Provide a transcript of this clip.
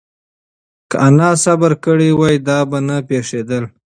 که انا صبر کړی وای، دا به نه پېښېدل.